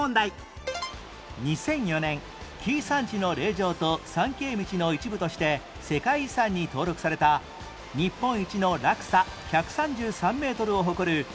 ２００４年紀伊山地の霊場と参詣道の一部として世界遺産に登録された日本一の落差１３３メートルを誇る絶景の滝